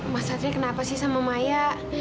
mas satri kenapa sih sama maya